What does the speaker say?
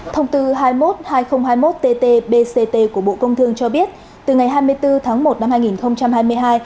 thông tư hai mươi một hai nghìn hai mươi một tt bct của bộ công thương cho biết từ ngày hai mươi bốn tháng một năm hai nghìn hai mươi hai